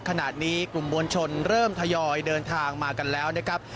ขณะนี้กลุ่มมวลชนเริ่มทยอยเดินทางมากันแล้วนะครับ